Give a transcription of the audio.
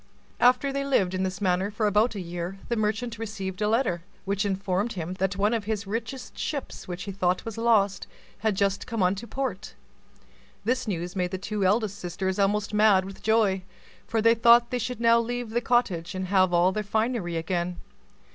After they had lived in this manner about a year the merchant received a letter, which informed him that one of his richest ships, which he thought was lost, had just come unto port. This news made the two eldest sisters almost mad with joy; for they thought they should now leave the cottage, and have all their finery again.